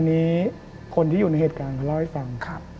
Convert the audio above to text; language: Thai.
อันนี้คนที่อยู่ในเหตุการณ์เขาเล่าให้ฟัง